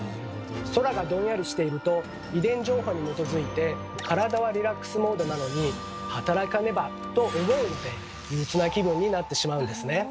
空がドンヨリしていると遺伝情報に基づいて体はリラックスモードなのに働かねばと思うので憂鬱な気分になってしまうんですね。